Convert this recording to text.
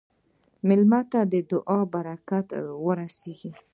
مېلمه ته د دعا برکت ورسېږه.